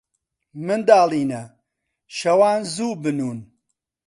منداڵینە، شەوان زوو بنوون.